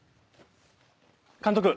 監督。